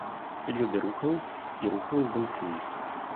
Ці люди рухались, і рухались думки їх.